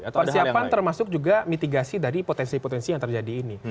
persiapan termasuk juga mitigasi dari potensi potensi yang terjadi ini